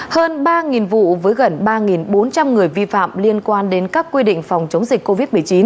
hơn ba vụ với gần ba bốn trăm linh người vi phạm liên quan đến các quy định phòng chống dịch covid một mươi chín